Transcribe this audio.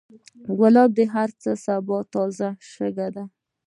ګلاب د هر سبا تازه شګه ده.